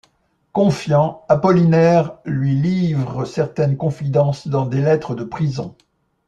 Confiant, Apollinaire lui livre certaines confidences dans des lettres de prison.